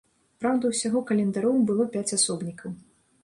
Праўда, усяго календароў было пяць асобнікаў.